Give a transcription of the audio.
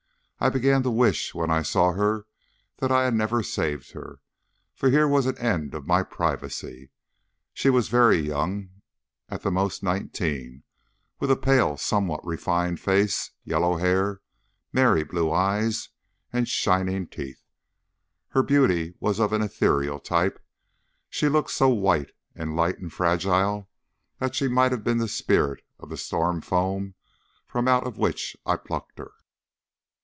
I began to wish when I saw her that I had never saved her, for here was an end of my privacy. She was very young at the most nineteen, with a pale somewhat refined face, yellow hair, merry blue eyes, and shining teeth. Her beauty was of an ethereal type. She looked so white and light and fragile that she might have been the spirit of that storm foam from out of which I plucked her.